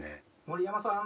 森山さん